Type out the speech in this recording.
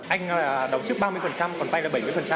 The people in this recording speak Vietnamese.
anh đồng chức ba mươi còn vay là bảy mươi